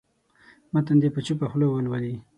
متن دې په چوپه خوله ولولي.